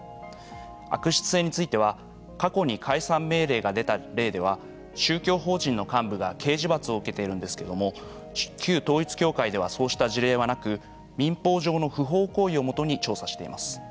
悪質性については過去に解散命令が出た例では宗教法人の幹部が刑事罰を受けているんですけれども旧統一教会ではそうした事例はなく民法上の不法行為をもとに調査しています。